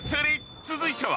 続いては。